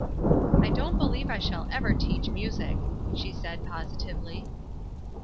"I don't believe I shall ever teach music," she said, positively.